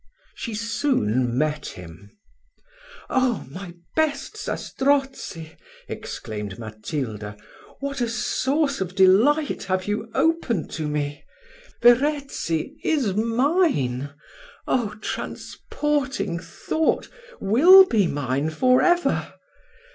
She soon met him. "Oh! Zastrozzi my best Zastrozzi!" exclaimed Matilda, "what a source of delight have you opened to me! Verezzi is mine oh! transporting thought! will be mine for ever.